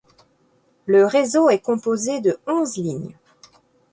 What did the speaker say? Le réseau est composé de onze lignes.